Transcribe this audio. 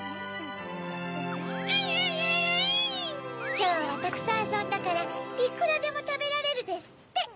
「きょうはたくさんあそんだからいくらでもたべられる」ですって。